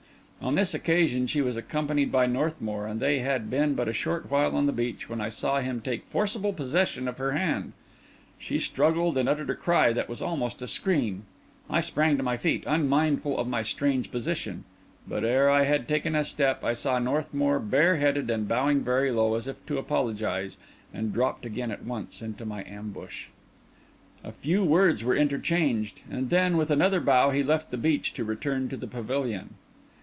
On this occasion she was accompanied by Northmour, and they had been but a short while on the beach, when I saw him take forcible possession of her hand. She struggled, and uttered a cry that was almost a scream. I sprang to my feet, unmindful of my strange position; but, ere I had taken a step, I saw Northmour bareheaded and bowing very low, as if to apologise; and dropped again at once into my ambush. A few words were interchanged; and then, with another bow, he left the beach to return to the pavilion.